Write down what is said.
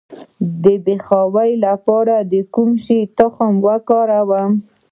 د بې خوبۍ لپاره د کوم شي تخم وکاروم؟